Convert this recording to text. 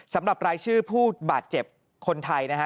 สำหรับรายชื่อผู้บาดเจ็บคนไทยนะฮะ